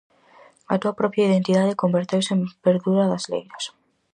A túa propia identidade converteuse en verdura das leiras.